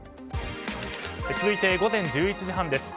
続いて午前１１時半です。